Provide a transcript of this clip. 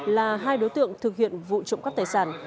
là hai đối tượng thực hiện vụ trộm cắp tài sản